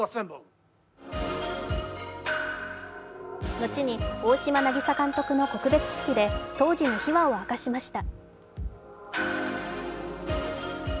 後に大島渚監督の告別式で当時の秘話を明かしました。